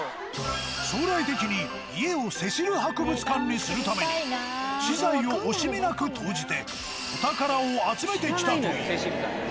将来的に家をセシル博物館にするために私財を惜しみなく投じてお宝を集めてきたという。